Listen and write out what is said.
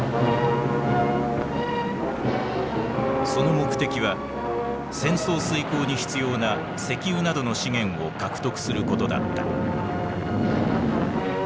その目的は戦争遂行に必要な石油などの資源を獲得することだった。